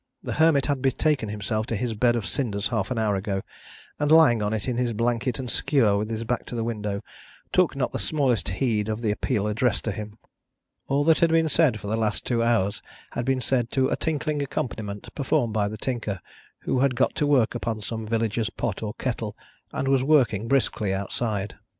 The Hermit had betaken himself to his bed of cinders half an hour ago, and lying on it in his blanket and skewer with his back to the window, took not the smallest heed of the appeal addressed to him. All that had been said for the last two hours, had been said to a tinkling accompaniment performed by the Tinker, who had got to work upon some villager's pot or kettle, and was working briskly outside.